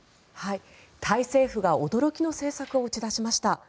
タイ政府が驚きの政策を打ち出しました。